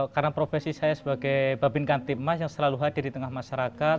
karena profesi saya sebagai babin kamtipmas yang selalu hadir di tengah masyarakat